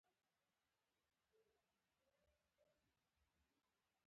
مهمه نه ده چې ورسره ووینې، ته پلار لرې؟ نه، پلندر لرم.